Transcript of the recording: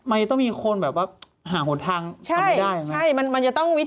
อ้าวก็นี่ไงชอบ